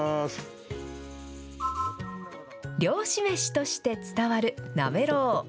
漁師めしとして伝わるなめろう。